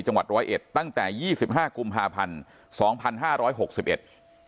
จังหวัด๑๐๑ตั้งแต่๒๕กุมฮาพันธ์๒๕๖๑